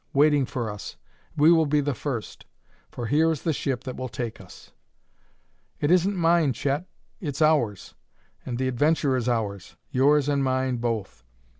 Waiting for us; we will be the first. For here is the ship that will take us. "It isn't mine, Chet; it's ours. And the adventure is ours; yours and mine, both.